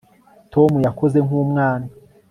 tom yakoze nk'umwana